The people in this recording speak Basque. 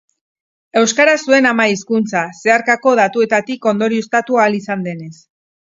Euskara zuen ama-hizkuntza, zeharkako datuetatik ondorioztatu ahal izan denez.